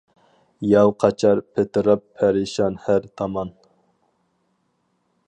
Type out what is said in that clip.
ياۋ قاچار پىتىراپ پەرىشان ھەر تامان.